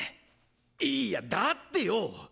いいやだってよ！